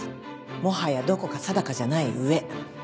もはやどこか定かじゃない上。